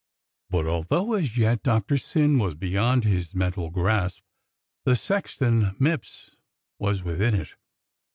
But although as yet Doctor Syn was beyond his mental grasp, the Sexton Mipps was within it.